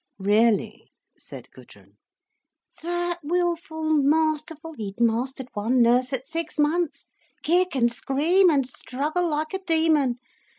"Really," said Gudrun. "That wilful, masterful—he'd mastered one nurse at six months. Kick, and scream, and struggle like a demon.